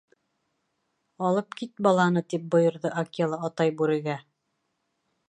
— Алып кит баланы, — тип бойорҙо Акела Атай Бүрегә.